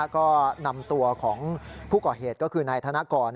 ก็นำตัวของผู้ก่อเหตุก็คือนายธนกร